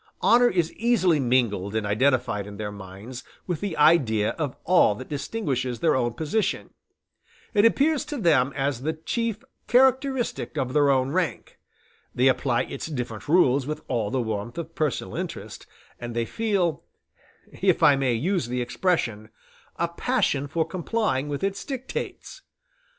Honor is easily mingled and identified in their minds with the idea of all that distinguishes their own position; it appears to them as the chief characteristic of their own rank; they apply its different rules with all the warmth of personal interest, and they feel (if I may use the expression) a passion for complying with its dictates.